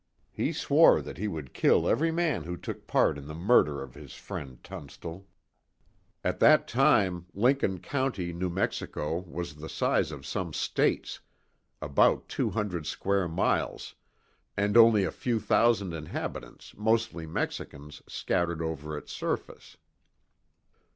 He swore that he would kill every man who took part in the murder of his friend Tunstall. At that time, Lincoln County, New Mexico, was the size of some states, about two hundred miles square, and only a few thousand inhabitants, mostly Mexicans, scattered over its surface.